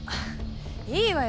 いいわよ。